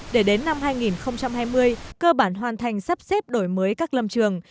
để đến năm hai nghìn hai mươi cơ bản hoàn thành sắp xếp đổi mới các lâm trường